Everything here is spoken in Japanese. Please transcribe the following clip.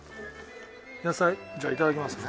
野菜じゃあ頂きますね。